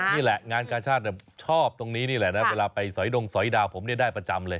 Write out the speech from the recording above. นี่แหละงานกาชาติชอบตรงนี้นี่แหละนะเวลาไปสอยดงสอยดาวผมได้ประจำเลย